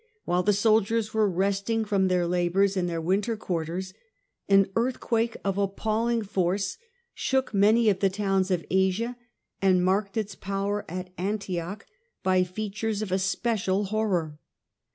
While the soldiers were resting from their labours in their winter quarters, an earthquake of appalling force shook many of the towns of Asia, and marked its power at Antioch by features of especial horror.